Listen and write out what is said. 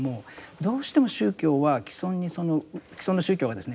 どうしても宗教は既存の宗教がですね